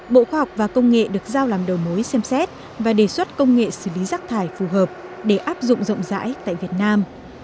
bộ khoa học và công nghệ được giao làm đầu mối xem xét và đề xuất công nghệ xử lý rác thải phù hợp để áp dụng rộng rãi tại việt nam